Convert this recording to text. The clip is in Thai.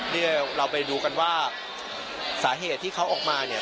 เนี่ยเราไปดูกันว่าสาเหตุที่เขาออกมาเนี่ย